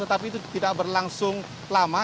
tetapi itu tidak berlangsung lama